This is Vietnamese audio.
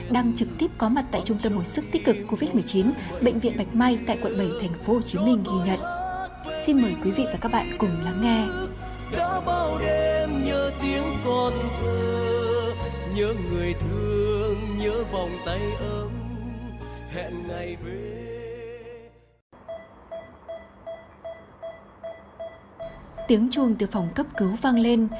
đang trực tiếp có mặt tại trung tâm hồi sức tích cực covid một mươi chín bệnh viện bạch mai tại quận bảy tp hcm ghi nhận